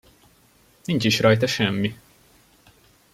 Nincs is rajta semmi!